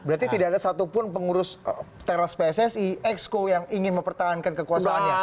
berarti tidak ada satupun pengurus teras pssi exco yang ingin mempertahankan kekuasaannya